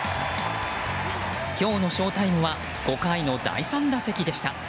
今日のショウタイムは５回の第３打席でした。